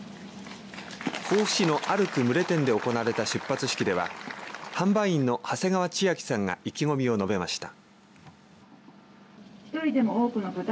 防府市のアルク牟礼店で行われた出発式では販売の長谷川千晶さんが意気込みを述べました。